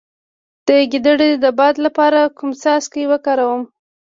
د ګیډې د باد لپاره کوم څاڅکي وکاروم؟